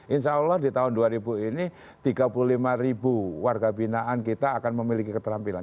insya allah di tahun dua ribu ini tiga puluh lima ribu warga binaan kita akan memiliki keterampilan